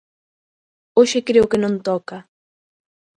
Hoxe creo que non toca.